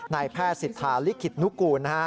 นายแพทย์สิทธาลิขิตนุกูลนะฮะ